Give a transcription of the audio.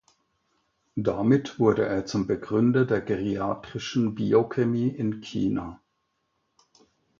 Damit wurde er zum Begründer der geriatrischen Biochemie in China.